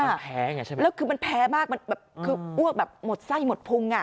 มันแพ้ไงใช่ไหมแล้วคือมันแพ้มากมันแบบคืออ้วกแบบหมดไส้หมดพุงอ่ะ